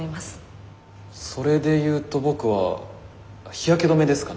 それで言うと僕は日焼け止めですかね。